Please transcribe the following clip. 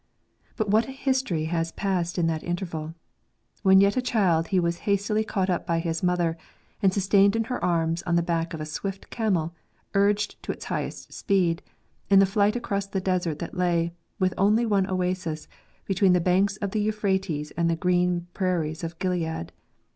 But what a history has passed in that interval ! When yet a child he was hastily caught up by his mother, and sustained in her arms on the back of a swift camel, urged to its highest speed, in the flight across the desert that lay, with only one oasis, between the bank of the Euphrates and the green prairies of Gilead.